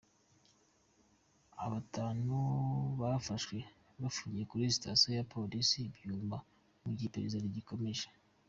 Abatanu bafashwe bafungiye kuri sitasiyo ya polisi ya Byumba mu gihe iperereza rigikomeje.